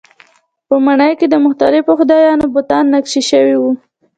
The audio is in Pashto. په ماڼۍ کې د مختلفو خدایانو بتان نقش شوي وو.